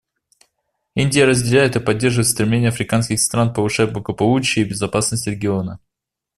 Индия разделяет и поддерживает стремление африканских стран повышать благополучие и безопасность региона.